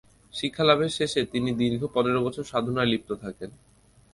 শিক্ষালাভের শেষে তিনি দীর্ঘ পনেরো বছর সাধনায় লিপ্ত থাকেন।